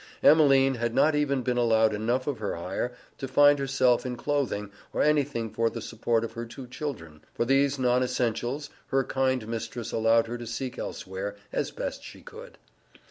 Emeline had not even been allowed enough of her hire to find herself in clothing, or anything for the support of her two children for these non essentials, her kind mistress allowed her to seek elsewhere, as best she could.